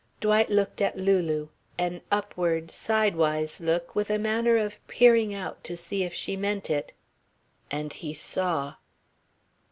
Dwight looked at Lulu, an upward, sidewise look, with a manner of peering out to see if she meant it. And he saw.